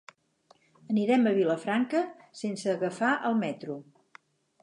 Anirem a Vilafranca sense agafar el metro.